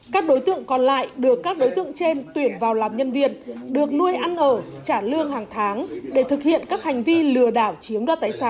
các đối tượng còn lại được các đối tượng trên tuyển vào làm nhân viên